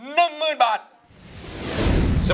มาฟังอินโทรเพลงที่๑๐